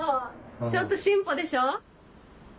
ちょっと進歩でしょ？